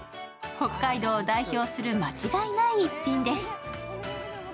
北海道を代表する間違いない逸品です。